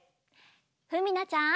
ふみなちゃん。